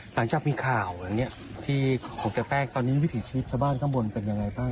หลังจากมีข่าวอย่างนี้ที่ของเสียแป้งตอนนี้วิถีชีวิตชาวบ้านข้างบนเป็นยังไงบ้าง